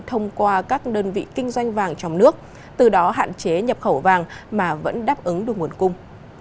thông qua các đơn vị kinh doanh vàng trong nước từ đó hạn chế nhập khẩu vàng mà vẫn đáp ứng đủ nguồn cung